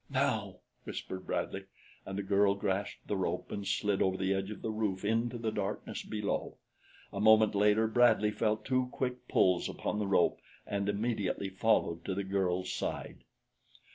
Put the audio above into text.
"Now!" whispered Bradley; and the girl grasped the rope and slid over the edge of the roof into the darkness below. A moment later Bradley felt two quick pulls upon the rope and immediately followed to the girl's side.